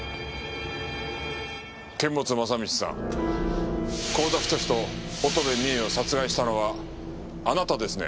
堅物正道さん甲田太と乙部美栄を殺害したのはあなたですね？